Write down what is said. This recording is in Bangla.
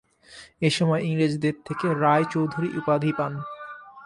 এসময় ইংরেজদের থেকে রায় চৌধুরী উপাধি পান।